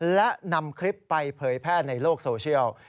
และนำคลิปไปเผยแพร่ในโลกโซเชียล